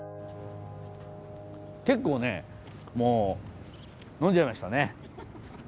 結構ねもう呑んじゃいましたね。